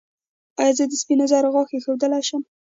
ایا زه د سپینو زرو غاښ ایښودلی شم؟